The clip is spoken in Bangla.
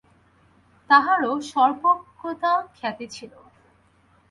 তাহারও সর্বজ্ঞতাখ্যাতি ছিল।